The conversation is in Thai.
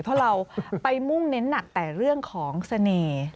เพราะเราไปมุ่งเน้นหนักแต่เรื่องของเสน่ห์